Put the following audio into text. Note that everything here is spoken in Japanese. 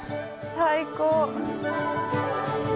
最高。